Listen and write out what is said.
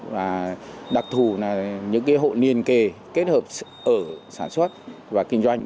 và đặc thù là những cái hộ liên kề kết hợp ở sản xuất và kinh doanh